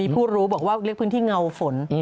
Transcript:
ผู้รู้บอกว่าเรียกพื้นที่เงาฝน